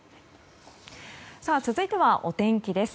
続いては、お天気です。